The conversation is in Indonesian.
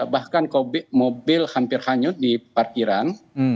bahkan mobil hampir hanyut di parkiran